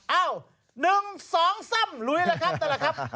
เอ้าหนึ่งสองสามหลุยแหละครับนั่นแหละครับ